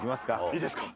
いいですか？